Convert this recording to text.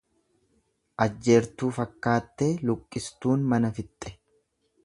Ajjeertuu fakkaattee luqqistuun mana fixxe.